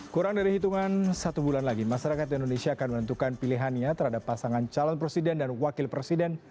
kurang dari hitungan satu bulan lagi masyarakat indonesia akan menentukan pilihannya terhadap pasangan calon presiden dan wakil presiden